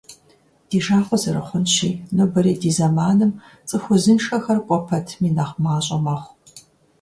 Ди жагъуэ зэрыхъунщи, нобэрей ди зэманым цӀыху узыншэхэр кӀуэ пэтми нэхъ мащӀэ мэхъу.